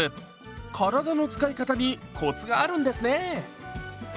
体の使い方にコツがあるんですね！